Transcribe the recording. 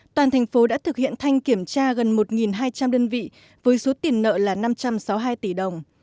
toàn thành phố đã thực hiện thanh kiểm tra gần một hai trăm linh đơn vị với số tiền nợ là năm trăm sáu mươi hai tỷ đồng